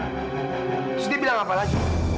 terus dia bilang apa lagi